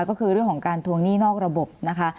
ก็คือเรื่องของการทวงหนี้นอกระบบนะคะ